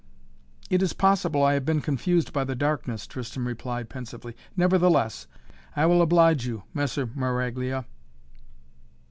"It is possible I have been confused by the darkness," Tristan replied pensively. "Nevertheless, I will oblige you, Messer Maraglia."